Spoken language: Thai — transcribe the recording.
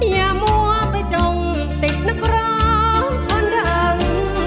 ถ้ามัวไปจงติดในกรอบห่อนดัง